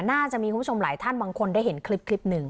น่าจะมีคุณผู้ชมหลายท่านบางคนได้เห็นคลิปหนึ่ง